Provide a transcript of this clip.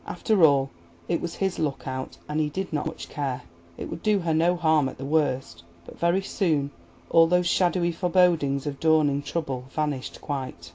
After all, it was his look out, and he did not much care. It would do her no harm at the worst. But very soon all these shadowy forebodings of dawning trouble vanished quite.